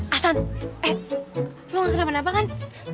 ah san eh lo gak kenal mana mana kan